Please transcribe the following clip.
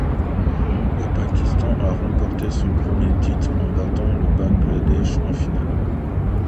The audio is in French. Le Pakistan a remporté son premier titre en battant le Bangladesh en finale.